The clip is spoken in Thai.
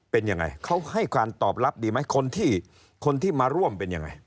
เป็นยังไงเขาให้การตอบรับดีไหมคนที่คนที่มาร่วมเป็นยังไง